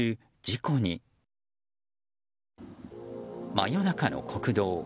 真夜中の国道。